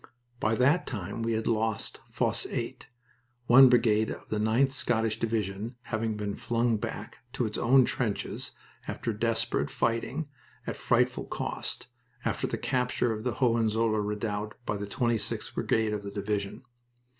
By that time we had lost Fosse 8, one brigade of the 9th Scottish Division having been flung back to its own trenches after desperate fighting, at frightful cost, after the capture of the Hohenzollern redoubt by the 26th Brigade of that division.